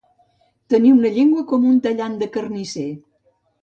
Tenir una llengua com un tallant de carnisser.